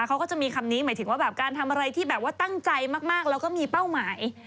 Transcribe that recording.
เขาก็จะมีคำนี้หมายถึงว่าแบบการทำอะไรที่แบบว่าตั้งใจมากแล้วก็มีเป้าหมาย